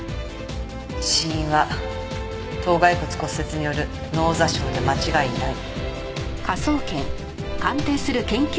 死因は頭骸骨骨折による脳挫傷で間違いない。